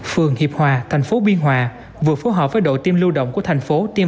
phường hiệp hòa thành phố biên hòa vừa phối hợp với đội tiêm lưu động của thành phố tiêm